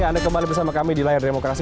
ya anda kembali bersama kami di layar demokrasi